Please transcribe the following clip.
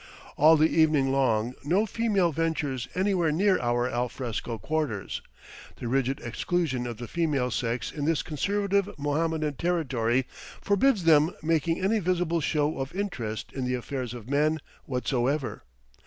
All the evening long no female ventures anywhere near our alfresco quarters; the rigid exclusion of the female sex in this conservative Mohammedan territory forbids them making any visible show of interest in the affairs of men whatsoever.